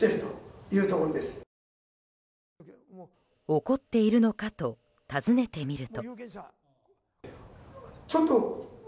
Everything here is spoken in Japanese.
怒っているのか？と尋ねてみると。